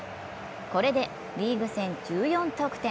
これでリーグ戦１４得点。